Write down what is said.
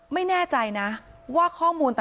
ไม่แน่ใจนะว่าข้อมูล